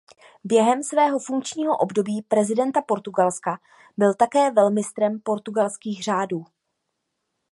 Během svého funkčního období prezidenta Portugalska byl také velmistrem portugalských řádů.